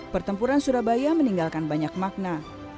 pertempuran surabaya meninggalkan banyak makna